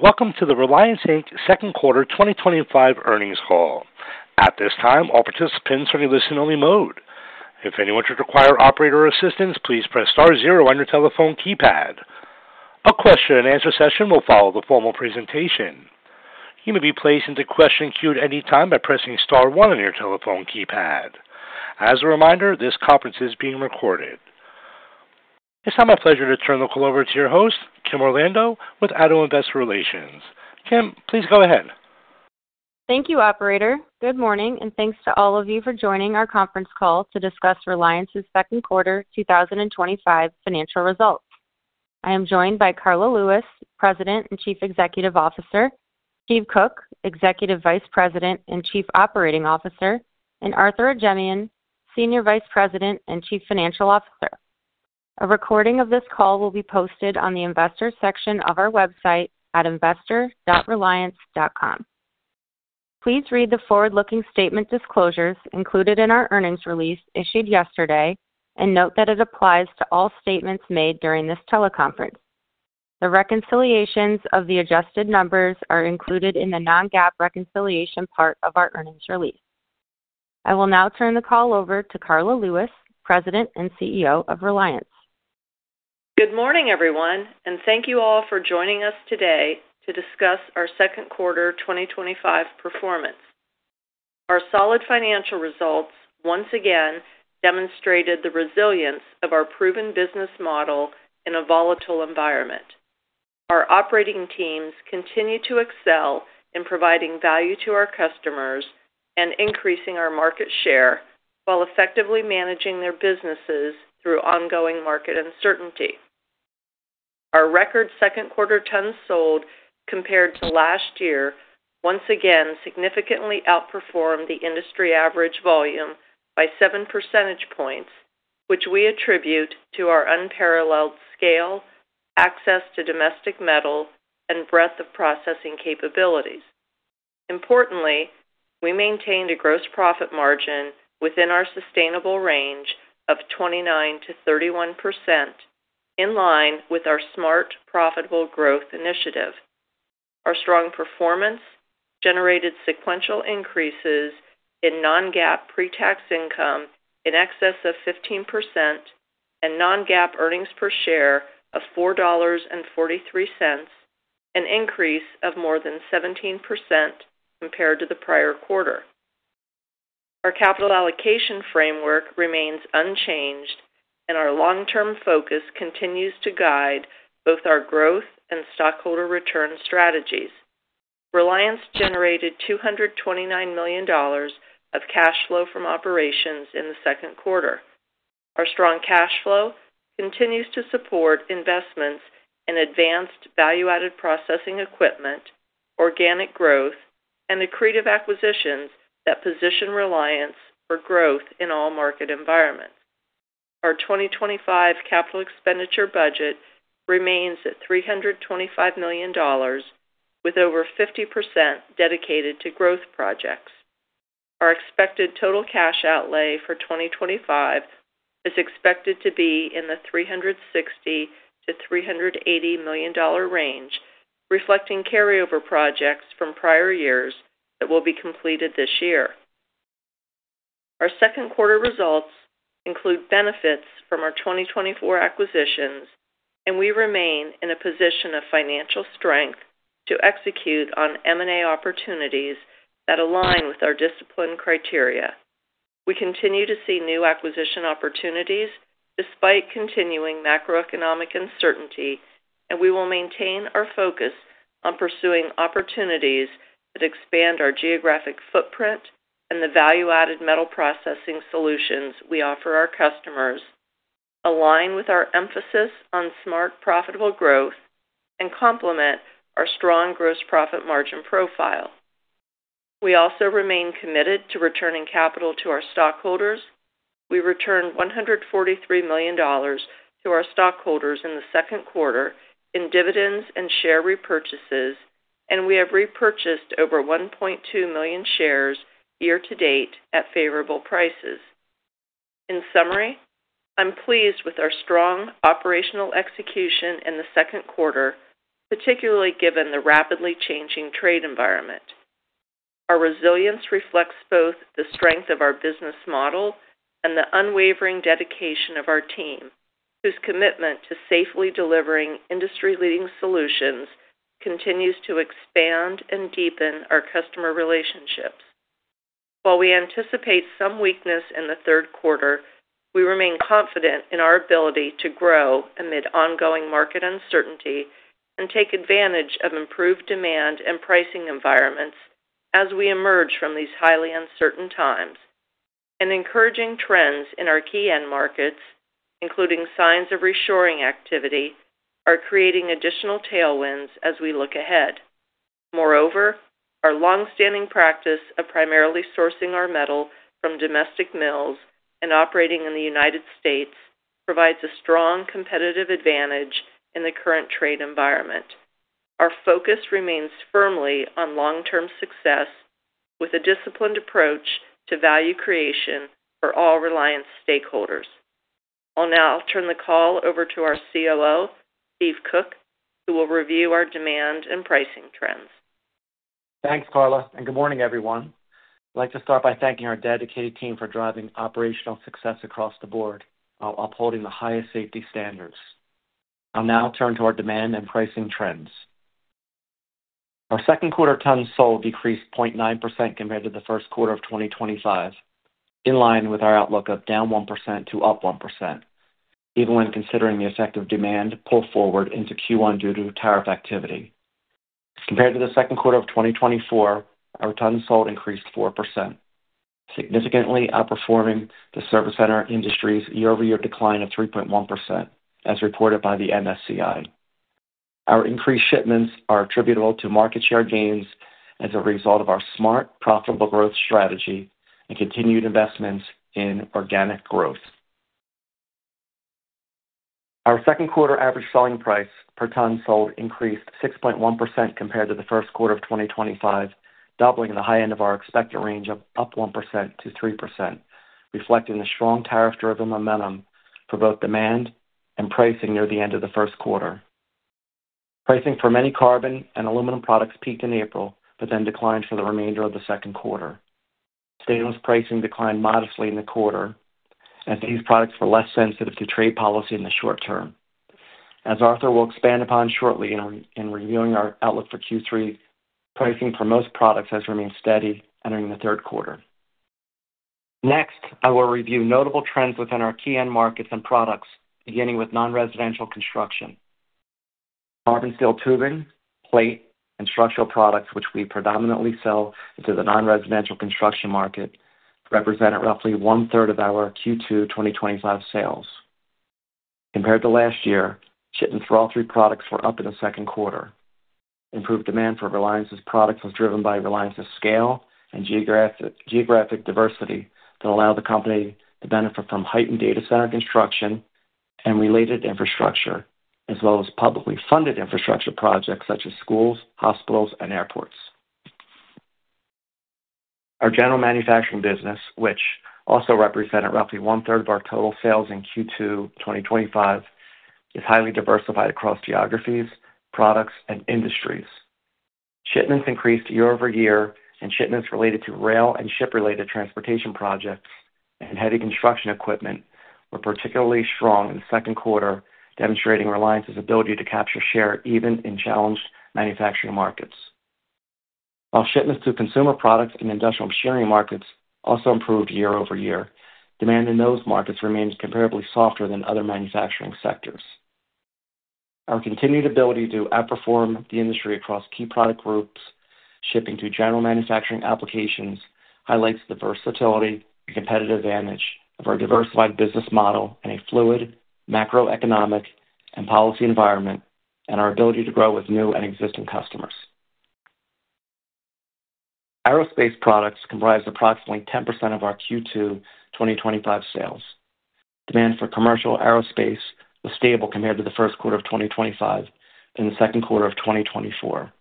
Welcome to the Reliance second quarter 2025 earnings call. At this time, all participants are in listen-only mode. If anyone should require operator assistance, please press star zero on your telephone keypad. A question andanswer session will follow the formal presentation. You may be placed into the question queue at any time by pressing star one on your telephone keypad. As a reminder, this conference is being recorded. It is now my pleasure to turn the call over to your host, Kim Orlando with Addo Investor Relations. Kim, please go ahead. Thank you, Operator. Good morning, and thanks to all of you for joining our conference call to discuss Reliance's second quarter 2025 financial results. I am joined by Karla Lewis, President and Chief Executive Officer; Steve Koch, Executive Vice President and Chief Operating Officer; and Arthur Ajemyan, Senior Vice President and Chief Financial Officer. A recording of this call will be posted on the Investor section of our website at investor.reliance.com. Please read the forward-looking statement disclosures included in our earnings release issued yesterday and note that it applies to all statements made during this teleconference. The reconciliations of the adjusted numbers are included in the non-GAAP reconciliation part of our earnings release. I will now turn the call over to Karla Lewis, President and CEO of Reliance. Good morning, everyone, and thank you all for joining us today to discuss our second quarter 2025 performance. Our solid financial results once again demonstrated the resilience of our proven business model in a volatile environment. Our operating teams continue to excel in providing value to our customers and increasing our market share while effectively managing their businesses through ongoing market uncertainty. Our record second quarter tons sold compared to last year once again significantly outperformed the industry average volume by seven percentage points, which we attribute to our unparalleled scale, access to domestic metal, and breadth of processing capabilities. Importantly, we maintained a gross profit margin within our sustainable range of 29%-31%, in line with our smart profitable growth initiative. Our strong performance generated sequential increases in non-GAAP pre-tax income in excess of 15% and non-GAAP earnings per share of $4.43, an increase of more than 17% compared to the prior quarter. Our capital allocation framework remains unchanged, and our long-term focus continues to guide both our growth and stockholder return strategies. Reliance generated $229 million of cash flow from operations in the second quarter. Our strong cash flow continues to support investments in advanced value-added processing equipment, organic growth, and accretive acquisitions that position Reliance for growth in all market environments. Our 2025 capital expenditure budget remains at $325 million, with over 50% dedicated to growth projects. Our expected total cash outlay for 2025 is expected to be in the $360 million-$380 million range, reflecting carryover projects from prior years that will be completed this year. Our second quarter results include benefits from our 2024 acquisitions, and we remain in a position of financial strength to execute on M&A opportunities that align with our discipline criteria. We continue to see new acquisition opportunities despite continuing macroeconomic uncertainty, and we will maintain our focus on pursuing opportunities that expand our geographic footprint and the value-added metal processing solutions we offer our customers, align with our emphasis on smart profitable growth, and complement our strong gross profit margin profile. We also remain committed to returning capital to our stockholders. We returned $143 million to our stockholders in the second quarter in dividends and share repurchases, and we have repurchased over 1.2 million shares year to date at favorable prices. In summary, I'm pleased with our strong operational execution in the second quarter, particularly given the rapidly changing trade environment. Our resilience reflects both the strength of our business model and the unwavering dedication of our team, whose commitment to safely delivering industry-leading solutions continues to expand and deepen our customer relationships. While we anticipate some weakness in the third quarter, we remain confident in our ability to grow amid ongoing market uncertainty and take advantage of improved demand and pricing environments as we emerge from these highly uncertain times. Encouraging trends in our key end markets, including signs of reshoring activity, are creating additional tailwinds as we look ahead. Moreover, our longstanding practice of primarily sourcing our metal from domestic mills and operating in the United States provides a strong competitive advantage in the current trade environment. Our focus remains firmly on long-term success with a disciplined approach to value creation for all Reliance stakeholders. I'll now turn the call over to our COO, Steve Koch, who will review our demand and pricing trends. Thanks, Karla, and good morning, everyone. I'd like to start by thanking our dedicated team for driving operational success across the board while upholding the highest safety standards. I'll now turn to our demand and pricing trends. Our second quarter tons sold decreased 0.9% compared to the first quarter of 2025, in line with our outlook of down 1% to up 1%, even when considering the effect of demand pulled forward into Q1 due to tariff activity. Compared to the second quarter of 2024, our tons sold increased 4%, significantly outperforming the service center industry's year-over-year decline of 3.1%, as reported by the MSCI. Our increased shipments are attributable to market share gains as a result of our smart profitable growth strategy and continued investments in organic growth. Our second quarter average selling price per ton sold increased 6.1% compared to the first quarter of 2025, doubling the high end of our expected range of up 1%-3%, reflecting the strong tariff-driven momentum for both demand and pricing near the end of the first quarter. Pricing for many carbon and aluminum products peaked in April but then declined for the remainder of the second quarter. Stainless pricing declined modestly in the quarter as these products were less sensitive to trade policy in the short term. As Arthur will expand upon shortly in reviewing our outlook for Q3, pricing for most products has remained steady entering the third quarter. Next, I will review notable trends within our key end markets and products, beginning with non-residential construction. Carbon steel tubing, plate, and structural products, which we predominantly sell into the non-residential construction market, represented roughly one-third of our Q2 2025 sales. Compared to last year, shipments for all three products were up in the second quarter. Improved demand for Reliance's products was driven by Reliance's scale and geographic diversity that allowed the company to benefit from heightened data center construction and related infrastructure, as well as publicly funded infrastructure projects such as schools, hospitals, and airports. Our general manufacturing business, which also represented roughly one-third of our total sales in Q2 2025, is highly diversified across geographies, products, and industries. Shipments increased year-over-year, and shipments related to rail and ship-related transportation projects and heavy construction equipment were particularly strong in the second quarter, demonstrating Reliance ability to capture share even in challenged manufacturing markets. While shipments to consumer products and industrial machinery markets also improved year-over-year, demand in those markets remains comparably softer than other manufacturing sectors. Our continued ability to outperform the industry across key product groups, shipping to general manufacturing applications, highlights the versatility and competitive advantage of our diversified business model in a fluid macroeconomic and policy environment and our ability to grow with new and existing customers. Aerospace products comprise approximately 10% of our Q2 2025 sales. Demand for commercial aerospace was stable compared to the first quarter of 2025 and the second quarter of 2024.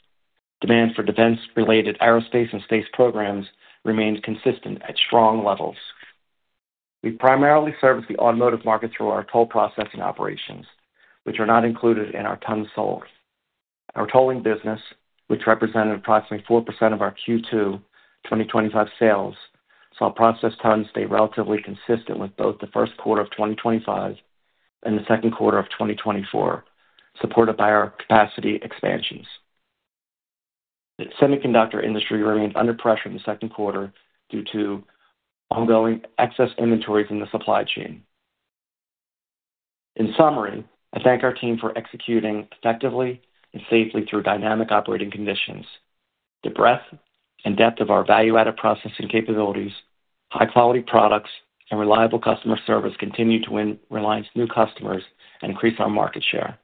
Demand for defense-related aerospace and space programs remained consistent at strong levels. We primarily service the automotive market through our toll processing operations, which are not included in our tons sold. Our tolling business, which represented approximately 4% of our Q2 2025 sales, saw processed tons stay relatively consistent with both the first quarter of 2025 and the second quarter of 2024, supported by our capacity expansions. The semiconductor industry remained under pressure in the second quarter due to ongoing excess inventories in the supply chain. In summary, I thank our team for executing effectively and safely through dynamic operating conditions. The breadth and depth of our value-added processing capabilities, high-quality products, and reliable customer service continue to win Reliance new customers and increase our market share.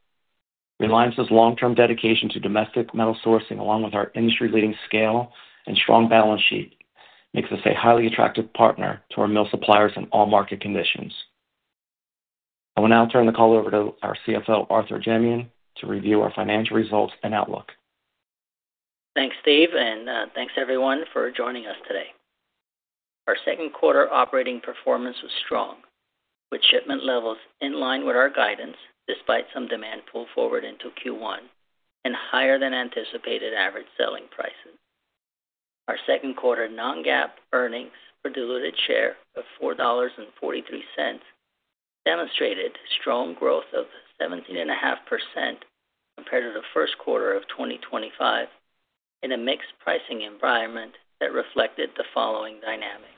Reliance's long-term dedication to domestic metal sourcing, along with our industry-leading scale and strong balance sheet, makes us a highly attractive partner to our mill suppliers in all market conditions. I will now turn the call over to our CFO, Arthur Ajemyan, to review our financial results and outlook. Thanks, Steve, and thanks, everyone, for joining us today. Our second quarter operating performance was strong, with shipment levels in line with our guidance despite some demand pulled forward into Q1 and higher than anticipated average selling prices. Our second quarter non-GAAP earnings per diluted share of $4.43 demonstrated strong growth of 17.5% compared to the first quarter of 2025. In a mixed pricing environment that reflected the following dynamics.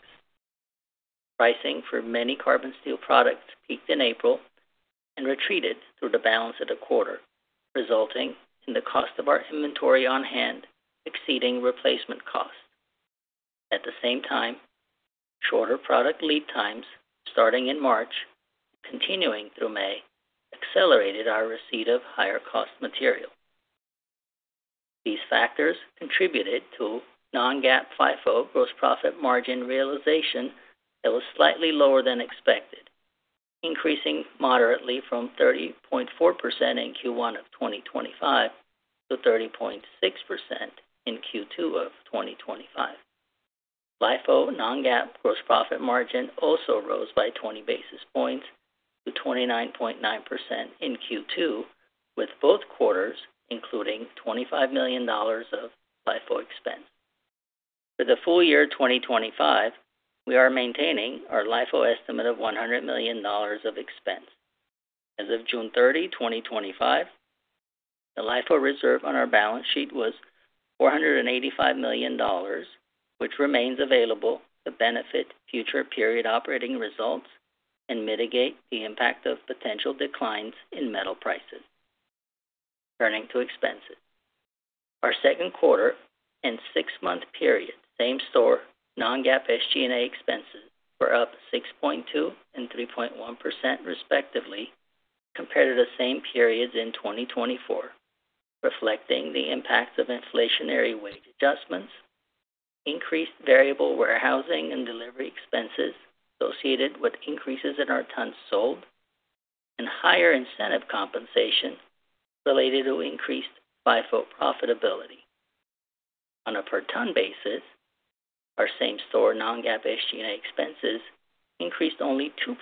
Pricing for many carbon steel products peaked in April and retreated through the balance of the quarter, resulting in the cost of our inventory on hand exceeding replacement costs. At the same time, shorter product lead times starting in March and continuing through May accelerated our receipt of higher-cost material. These factors contributed to non-GAAP FIFO gross profit margin realization that was slightly lower than expected, increasing moderately from 30.4% in Q1 of 2025 to 30.6% in Q2 of 2025. FIFO non-GAAP gross profit margin also rose by 20 basis points to 29.9% in Q2, with both quarters including $25 million of FIFO expense. For the full year 2025, we are maintaining our FIFO estimate of $100 million of expense. As of June 30, 2025, the FIFO reserve on our balance sheet was $485 million, which remains available to benefit future period operating results and mitigate the impact of potential declines in metal prices. Turning to expenses. Our second quarter and six-month period, same store non-GAAP SG&A expenses were up 6.2% and 3.1% respectively compared to the same periods in 2024, reflecting the impacts of inflationary wage adjustments, increased variable warehousing and delivery expenses associated with increases in our tons sold, and higher incentive compensation related to increased FIFO profitability. On a per ton basis, our same store non-GAAP SG&A expenses increased only 2%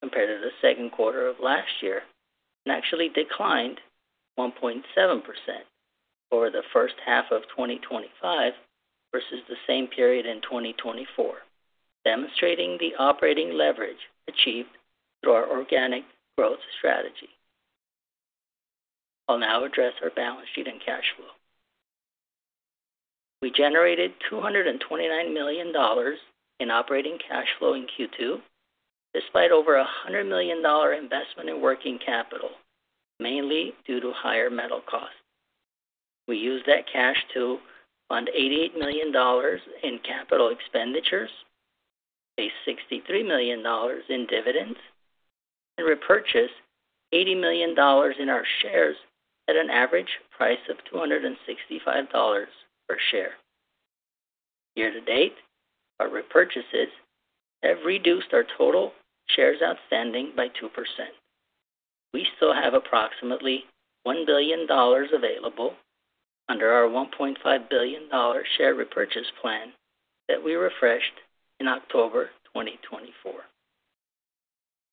compared to the second quarter of last year and actually declined 1.7% over the first half of 2025 versus the same period in 2024, demonstrating the operating leverage achieved through our organic growth strategy. I'll now address our balance sheet and cash flow. We generated $229 million in operating cash flow in Q2 despite over $100 million investment in working capital, mainly due to higher metal costs. We used that cash to fund $88 million in capital expenditures, pay $63 million in dividends, and repurchase $80 million in our shares at an average price of $265 per share. Year to date, our repurchases have reduced our total shares outstanding by 2%. We still have approximately $1 billion available under our $1.5 billion share repurchase plan that we refreshed in October 2024.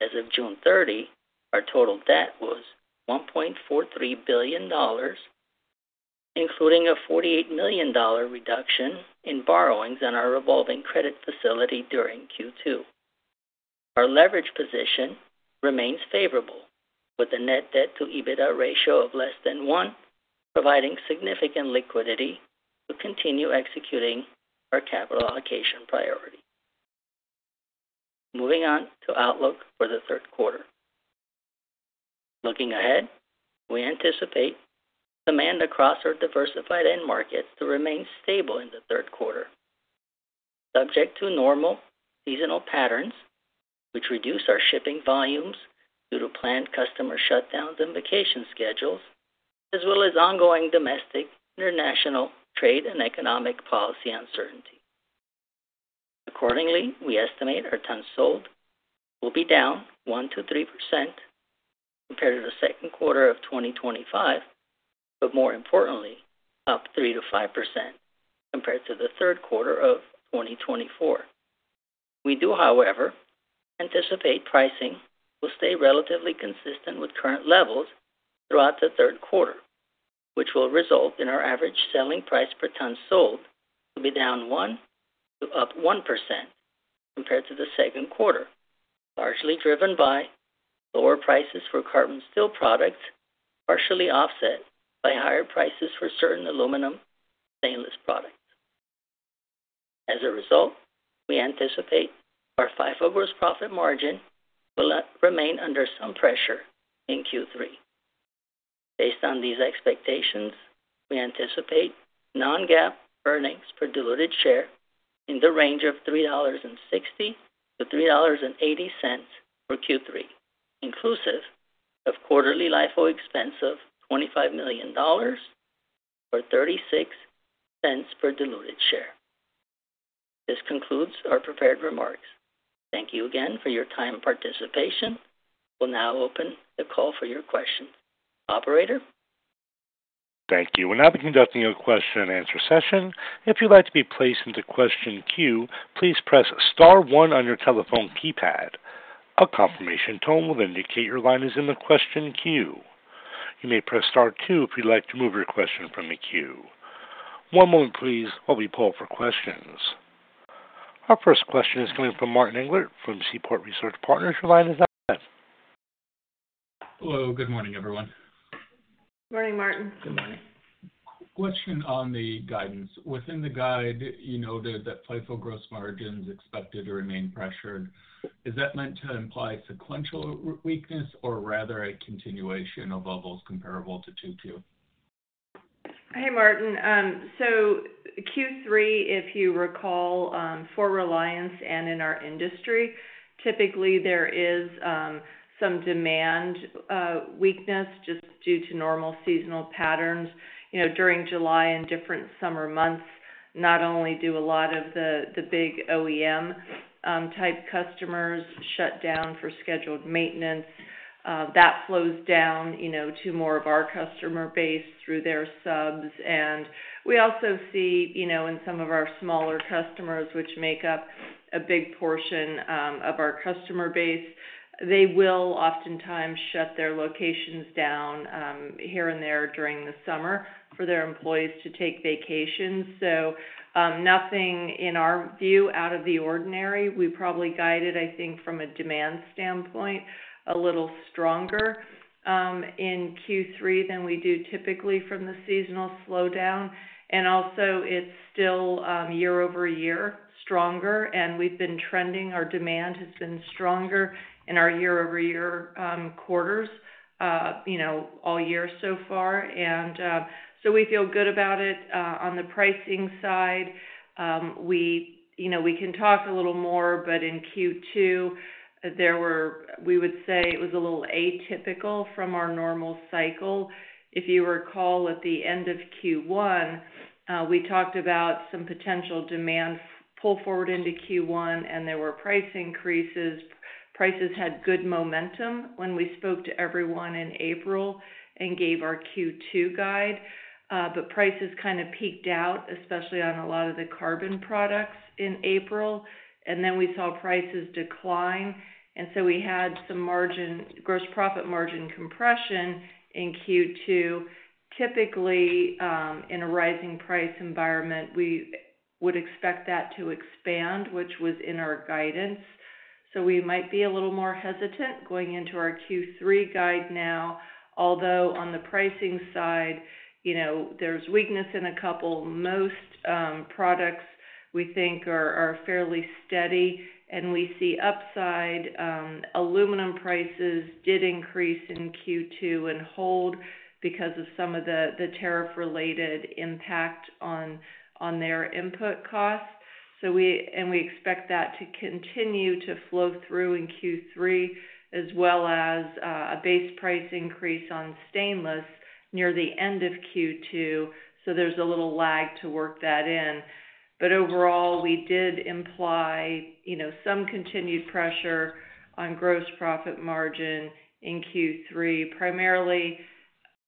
As of June 30, our total debt was $1.43 billion, including a $48 million reduction in borrowings on our revolving credit facility during Q2. Our leverage position remains favorable, with a net debt-to-EBITDA ratio of less than one providing significant liquidity to continue executing our capital allocation priority. Moving on to outlook for the third quarter. Looking ahead, we anticipate demand across our diversified end markets to remain stable in the third quarter. Subject to normal seasonal patterns, which reduce our shipping volumes due to planned customer shutdowns and vacation schedules, as well as ongoing domestic and international trade and economic policy uncertainty. Accordingly, we estimate our tons sold will be down 1%-3% compared to the second quarter of 2025. More importantly, up 3%-5% compared to the third quarter of 2024. We do, however, anticipate pricing will stay relatively consistent with current levels throughout the third quarter, which will result in our average selling price per ton sold to be down 1% to up 1% compared to the second quarter, largely driven by lower prices for carbon steel products, partially offset by higher prices for certain aluminum stainless products. As a result, we anticipate our FIFO gross profit margin will remain under some pressure in Q3. Based on these expectations, we anticipate non-GAAP earnings per diluted share in the range of $3.60-$3.80 for Q3, inclusive of quarterly LIFO expense of $25 million or $0.36 per diluted share. This concludes our prepared remarks. Thank you again for your time and participation. We'll now open the call for your questions. Operator. Thank you. We'll now be conducting a question and answer session. If you'd like to be placed into question queue, please press star one on your telephone keypad. A confirmation tone will indicate your line is in the question queue. You may press star two if you'd like to move your question from the queue. One moment, please, while we pull up for questions. Our first question is coming from Martin Englert from Seaport Research Partners. Your line is now set. Hello. Good morning, everyone. Morning, Martin. Good morning. Question on the guidance. Within the guide, you noted that FIFO gross margins expected to remain pressured. Is that meant to imply sequential weakness or rather a continuation of levels comparable to Q2? Hey, Martin. Q3, if you recall, for Reliance and in our industry, typically there is some demand weakness just due to normal seasonal patterns. During July and different summer months, not only do a lot of the big OEM type customers shut down for scheduled maintenance, that flows down to more of our customer base through their subs. We also see in some of our smaller customers, which make up a big portion of our customer base, they will oftentimes shut their locations down here and there during the summer for their employees to take vacations. Nothing, in our view, out of the ordinary. We probably guide it, I think, from a demand standpoint, a little stronger in Q3 than we do typically from the seasonal slowdown. It is still year-over-year stronger. We have been trending; our demand has been stronger in our year-over-year quarters all year so far. We feel good about it. On the pricing side, we can talk a little more, but in Q2, we would say it was a little atypical from our normal cycle. If you recall, at the end of Q1, we talked about some potential demand pull forward into Q1, and there were price increases. Prices had good momentum when we spoke to everyone in April and gave our Q2 guide. Prices kind of peaked out, especially on a lot of the carbon products in April, and then we saw prices decline. We had some gross profit margin compression in Q2. Typically, in a rising price environment, we would expect that to expand, which was in our guidance. We might be a little more hesitant going into our Q3 guide now. Although on the pricing side, there is weakness in a couple, most products we think are fairly steady, and we see upside. Aluminum prices did increase in Q2 and hold because of some of the tariff-related impact on their input costs. We expect that to continue to flow through in Q3, as well as a base price increase on stainless near the end of Q2. There is a little lag to work that in. Overall, we did imply some continued pressure on gross profit margin in Q3. Primarily,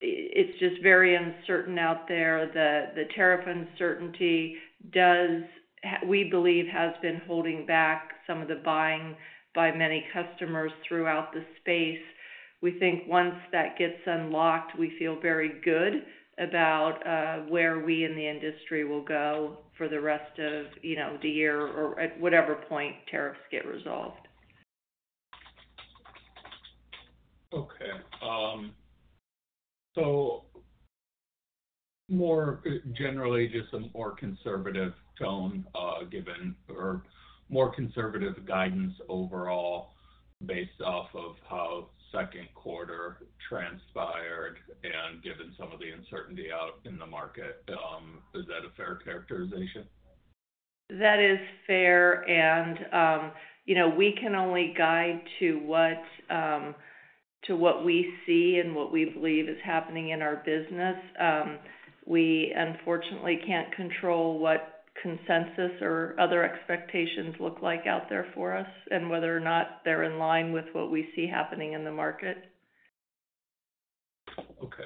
it is just very uncertain out there. The tariff uncertainty, we believe, has been holding back some of the buying by many customers throughout the space. We think once that gets unlocked, we feel very good about where we in the industry will go for the rest of the year or at whatever point tariffs get resolved. Okay. So, more generally, just a more conservative tone given or more conservative guidance overall. Based off of how second quarter transpired and given some of the uncertainty out in the market. Is that a fair characterization? That is fair. We can only guide to what we see and what we believe is happening in our business. We, unfortunately, can't control what consensus or other expectations look like out there for us and whether or not they're in line with what we see happening in the market. Okay.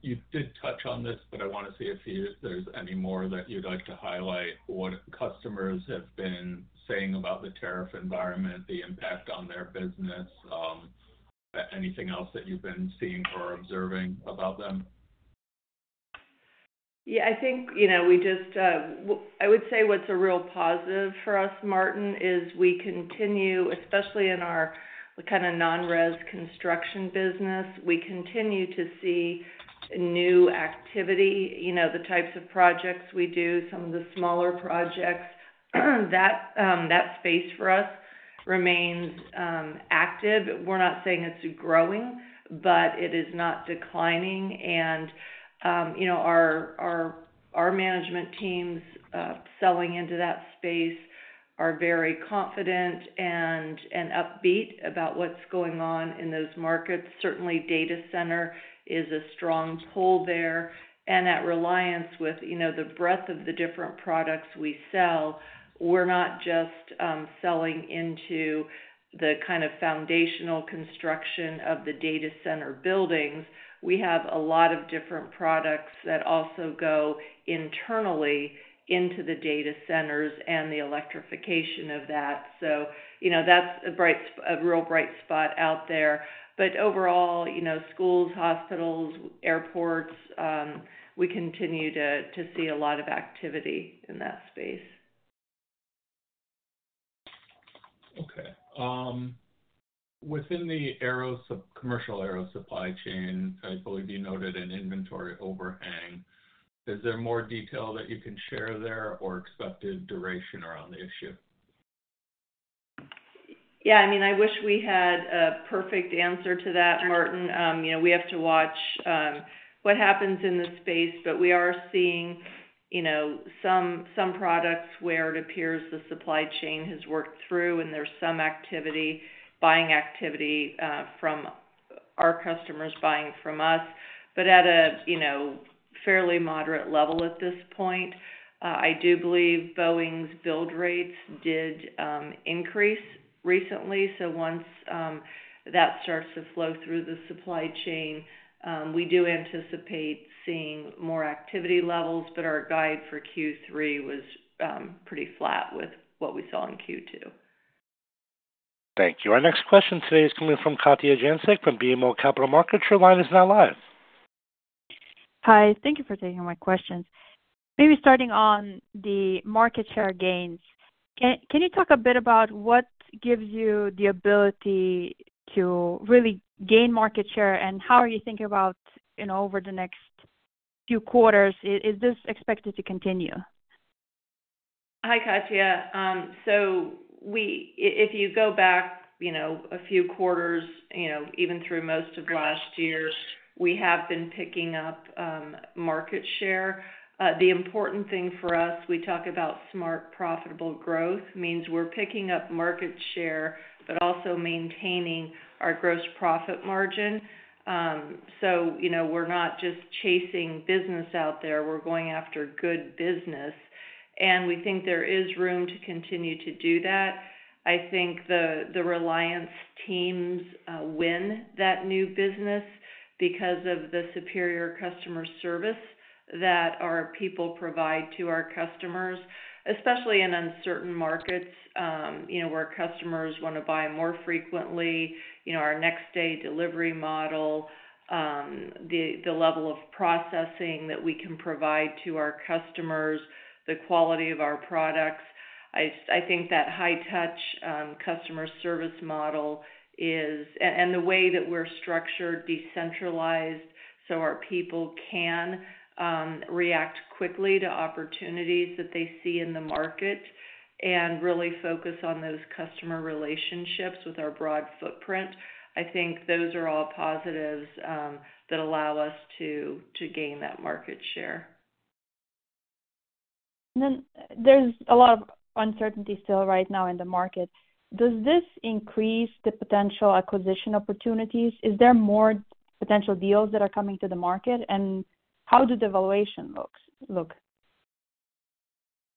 You did touch on this, but I want to see if there is any more that you would like to highlight. What customers have been saying about the tariff environment, the impact on their business. Anything else that you have been seeing or observing about them? Yeah. I think we just. I would say what's a real positive for us, Martin, is we continue, especially in our kind of non-res construction business, we continue to see new activity. The types of projects we do, some of the smaller projects, that space for us remains active. We're not saying it's growing, but it is not declining. Our management teams selling into that space are very confident and upbeat about what's going on in those markets. Certainly, data center is a strong pull there. At Reliance, with the breadth of the different products we sell, we're not just selling into the kind of foundational construction of the data center buildings. We have a lot of different products that also go internally into the data centers and the electrification of that. That's a real bright spot out there. Overall, schools, hospitals, airports, we continue to see a lot of activity in that space. Okay. Within the commercial aero supply chain, I believe you noted an inventory overhang. Is there more detail that you can share there or expected duration around the issue? Yeah. I mean, I wish we had a perfect answer to that, Martin. We have to watch what happens in the space. We are seeing some products where it appears the supply chain has worked through, and there is some activity, buying activity from our customers buying from us. At a fairly moderate level at this point, I do believe Boeing's build rates did increase recently. Once that starts to flow through the supply chain, we do anticipate seeing more activity levels. Our guide for Q3 was pretty flat with what we saw in Q2. Thank you. Our next question today is coming from Katya Jancic from BMO Capital Markets. Her line is now live. Hi. Thank you for taking my questions. Maybe starting on the market share gains, can you talk a bit about what gives you the ability to really gain market share and how are you thinking about over the next few quarters? Is this expected to continue? Hi, Katya. If you go back a few quarters, even through most of last year, we have been picking up market share. The important thing for us, we talk about smart profitable growth, means we're picking up market share but also maintaining our gross profit margin. We're not just chasing business out there. We're going after good business. We think there is room to continue to do that. I think the Reliance teams win that new business because of the superior customer service that our people provide to our customers, especially in uncertain markets where customers want to buy more frequently, our next-day delivery model. The level of processing that we can provide to our customers, the quality of our products. I think that high-touch customer service model is, and the way that we're structured, decentralized, so our people can react quickly to opportunities that they see in the market and really focus on those customer relationships with our broad footprint. I think those are all positives that allow us to gain that market share. There is a lot of uncertainty still right now in the market. Does this increase the potential acquisition opportunities? Is there more potential deals that are coming to the market? How does the valuation look?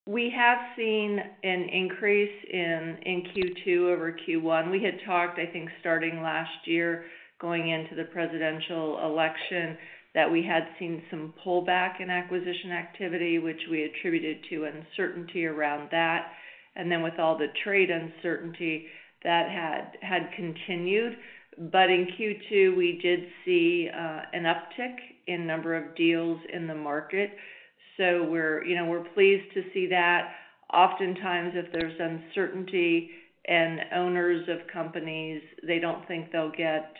We have seen an increase in Q2 over Q1. We had talked, I think, starting last year, going into the presidential election, that we had seen some pullback in acquisition activity, which we attributed to uncertainty around that. With all the trade uncertainty, that had continued. In Q2, we did see an uptick in the number of deals in the market. We are pleased to see that. Oftentimes, if there is uncertainty and owners of companies do not think they will get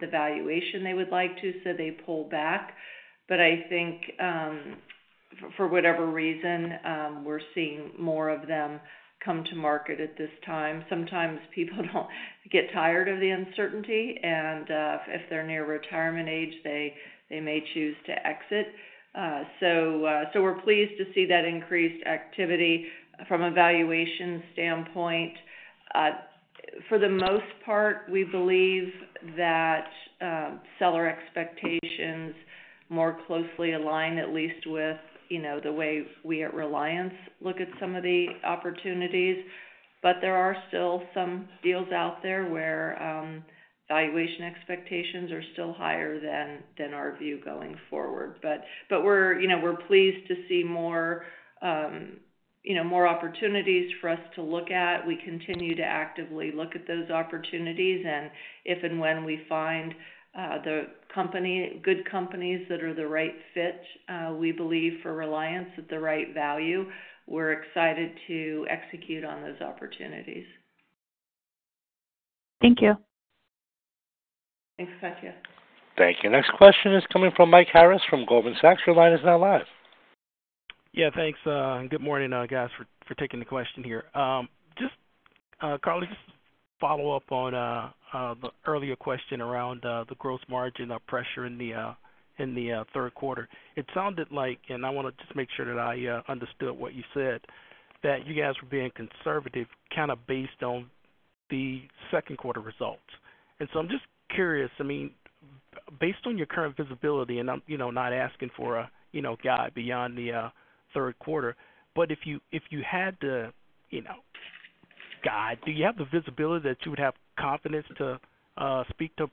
the valuation they would like to, they pull back. I think, for whatever reason, we are seeing more of them come to market at this time. Sometimes people get tired of the uncertainty. If they are near retirement age, they may choose to exit. We are pleased to see that increased activity from a valuation standpoint. For the most part, we believe that seller expectations more closely align, at least with the way we at Reliance look at some of the opportunities. There are still some deals out there where valuation expectations are still higher than our view going forward. We are pleased to see more opportunities for us to look at. We continue to actively look at those opportunities. If and when we find good companies that are the right fit, we believe for Reliance at the right value, we are excited to execute on those opportunities. Thank you. Thanks, Katya. Thank you. Next question is coming from Mike Harris from Goldman Sachs. Your line is now live. Yeah. Thanks. And good morning, guys, for taking the question here. Just, Karla, just to follow-up on the earlier question around the gross margin pressure in the third quarter. It sounded like, and I want to just make sure that I understood what you said, that you guys were being conservative kind of based on the second quarter results. I mean, based on your current visibility, and I'm not asking for a guide beyond the third quarter, but if you had to guide, do you have the visibility that you would have confidence to speak to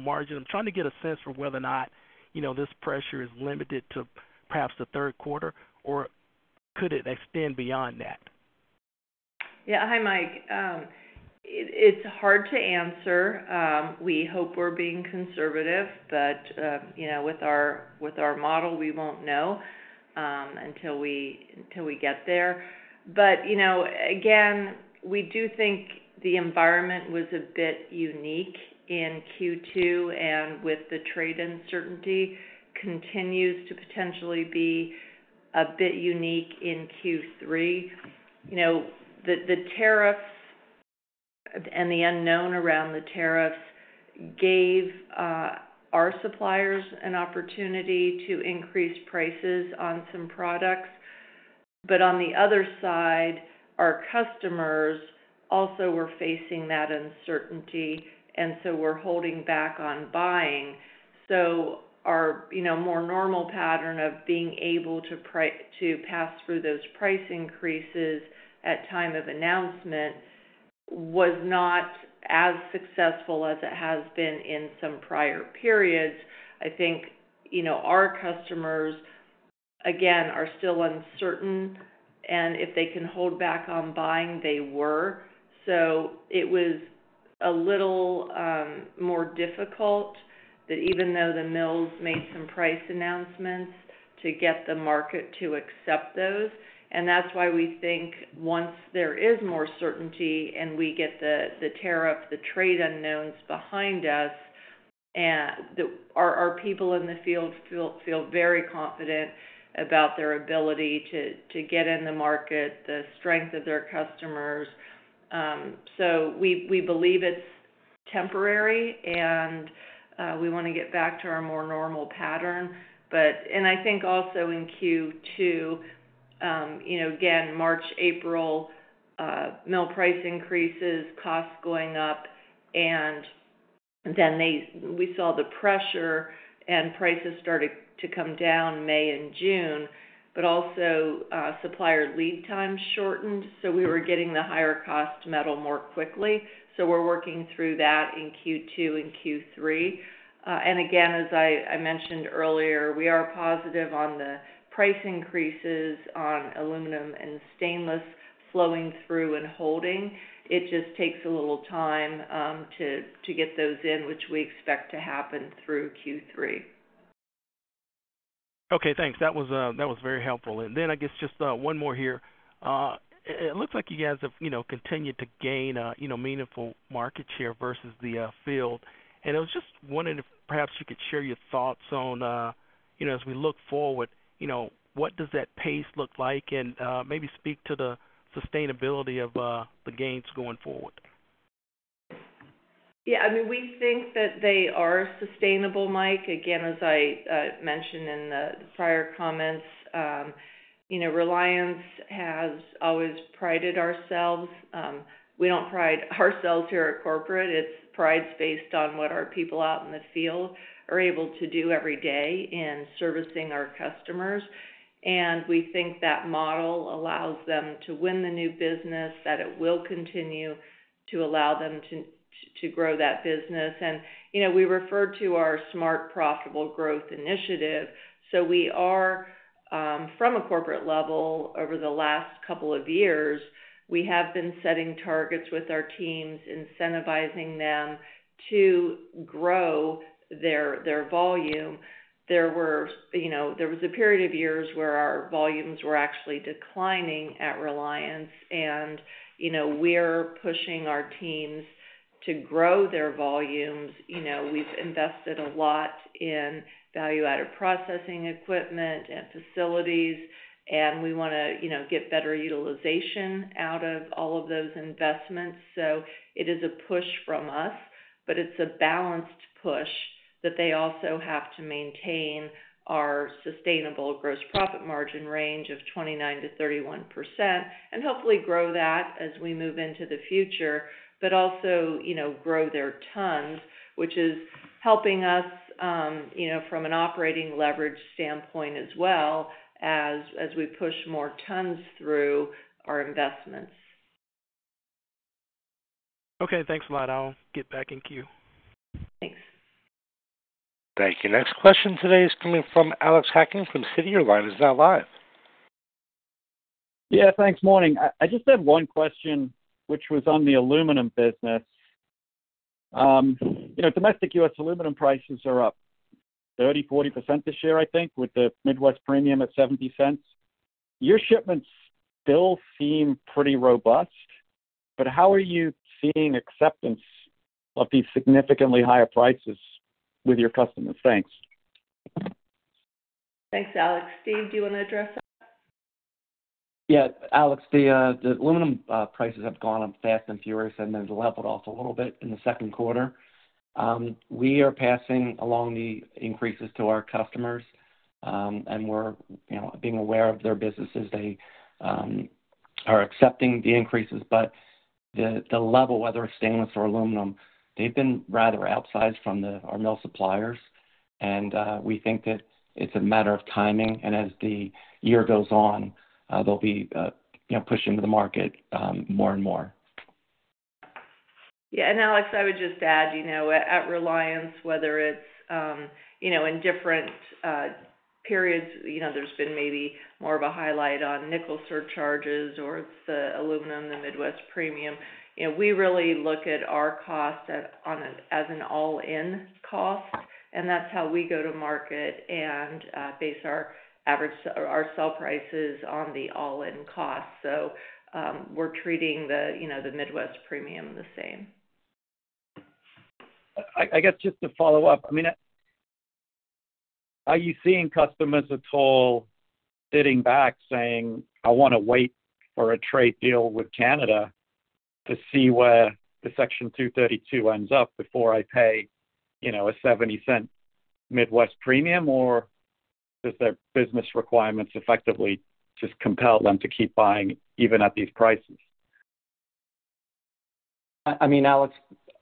margin? I'm trying to get a sense for whether or not this pressure is limited to perhaps the third quarter, or could it extend beyond that? Yeah. Hi, Mike. It's hard to answer. We hope we're being conservative. With our model, we won't know until we get there. Again, we do think the environment was a bit unique in Q2. With the trade uncertainty, it continues to potentially be a bit unique in Q3. The tariffs and the unknown around the tariffs gave our suppliers an opportunity to increase prices on some products. On the other side, our customers also were facing that uncertainty and were holding back on buying. Our more normal pattern of being able to pass through those price increases at time of announcement was not as successful as it has been in some prior periods. I think our customers, again, are still uncertain, and if they can hold back on buying, they were. It was a little more difficult that even though the mills made some price announcements to get the market to accept those. That is why we think once there is more certainty and we get the tariff, the trade unknowns behind us, our people in the field feel very confident about their ability to get in the market, the strength of their customers. We believe it's temporary, and we want to get back to our more normal pattern. I think also in Q2, again, March, April, mill price increases, costs going up. Then we saw the pressure and prices started to come down May and June. Also, supplier lead time shortened, so we were getting the higher-cost metal more quickly. We are working through that in Q2 and Q3. Again, as I mentioned earlier, we are positive on the price increases on aluminum and stainless flowing through and holding. It just takes a little time to get those in, which we expect to happen through Q3. Okay. Thanks. That was very helpful. I guess just one more here. It looks like you guys have continued to gain meaningful market share versus the field. I was just wondering if perhaps you could share your thoughts on, as we look forward, what does that pace look like? Maybe speak to the sustainability of the gains going forward. Yeah. I mean, we think that they are sustainable, Mike. Again, as I mentioned in the prior comments. Reliance has always prided ourselves. We do not pride ourselves here at corporate. It is pride based on what our people out in the field are able to do every day in servicing our customers. We think that model allows them to win the new business, that it will continue to allow them to grow that business. We refer to our smart profitable growth initiative. We are, from a corporate level, over the last couple of years, we have been setting targets with our teams, incentivizing them to grow their volume. There was a period of years where our volumes were actually declining at Reliance. We are pushing our teams to grow their volumes. We have invested a lot in value-added processing equipment and facilities. We want to get better utilization out of all of those investments. It is a push from us, but it is a balanced push that they also have to maintain our sustainable gross profit margin range of 29%-31% and hopefully grow that as we move into the future, but also grow their tons, which is helping us from an operating leverage standpoint as well as we push more tons through our investments. Okay. Thanks a lot. I'll get back in queue. Thanks. Thank you. Next question today is coming from Alex Hacking from Citi. He's now live. Yeah. Thanks, morning. I just had one question, which was on the aluminum business. Domestic US aluminum prices are up 30%-40% this year, I think, with the Midwest Premium at $0.70. Your shipments still seem pretty robust. How are you seeing acceptance of these significantly higher prices with your customers? Thanks. Thanks, Alex. Steve, do you want to address that? Yeah. Alex, the aluminum prices have gone up fast and furious, and they've leveled off a little bit in the second quarter. We are passing along the increases to our customers. And we're being aware of their businesses. They are accepting the increases. The level, whether it's stainless or aluminum, they've been rather outsized from our mill suppliers. We think that it's a matter of timing. As the year goes on, they'll be pushing into the market more and more. Yeah. Alex, I would just add, at Reliance, whether it's in different periods, there's been maybe more of a highlight on nickel surcharges or the aluminum, the Midwest Premium. We really look at our cost as an all-in cost. That's how we go to market and base our sell prices on the all-in cost. We're treating the Midwest Premium the same. I guess just to follow-up, I mean, are you seeing customers at all sitting back saying, "I want to wait for a trade deal with Canada to see where the Section 232 ends up before I pay a $0.70 Midwest Premium"? Or does their business requirements effectively just compel them to keep buying even at these prices? I mean, Alex,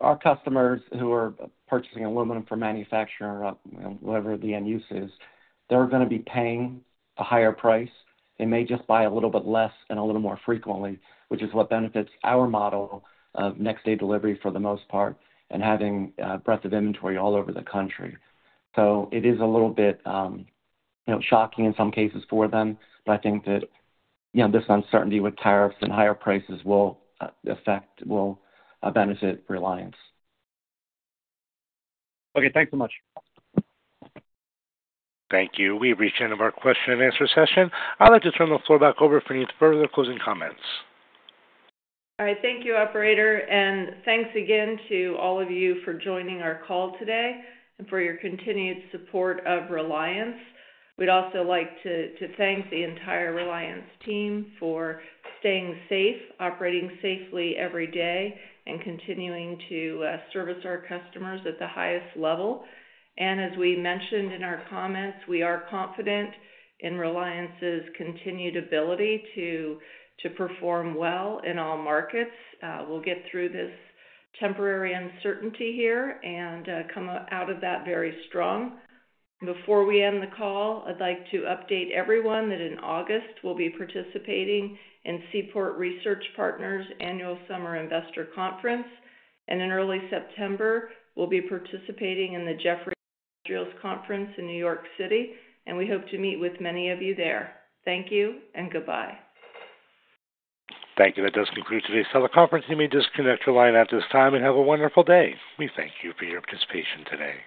our customers who are purchasing aluminum from manufacturers, whatever the end use is, they're going to be paying a higher price. They may just buy a little bit less and a little more frequently, which is what benefits our model of next-day delivery for the most part and having breadth of inventory all over the country. It is a little bit shocking in some cases for them. I think that this uncertainty with tariffs and higher prices will benefit Reliance. Okay. Thanks so much. Thank you. We have reached the end of our question and answer session. I'd like to turn the floor back over for any further closing comments. All right. Thank you, operator. Thank you again to all of you for joining our call today and for your continued support of Reliance. We would also like to thank the entire Reliance team for staying safe, operating safely every day, and continuing to service our customers at the highest level. As we mentioned in our comments, we are confident in Reliance's continued ability to perform well in all markets. We will get through this temporary uncertainty here and come out of that very strong. Before we end the call, I would like to update everyone that in August, we will be participating in Seaport Research Partners' annual summer investor conference. In early September, we will be participating in the Jefferies Industrials Conference in New York City. We hope to meet with many of you there. Thank you and goodbye. Thank you. That does conclude today's teleconference. You may disconnect your line at this time and have a wonderful day. We thank you for your participation today.